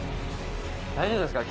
「大丈夫ですか？